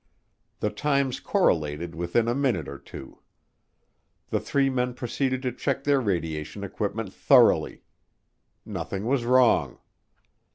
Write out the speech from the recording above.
The times correlated within a minute or two. The three men proceeded to check their radiation equipment thoroughly. Nothing was wrong.